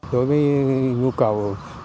đối với nhu cầu